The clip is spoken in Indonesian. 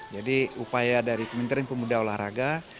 jadi upaya dari kementerian pemuda olahraga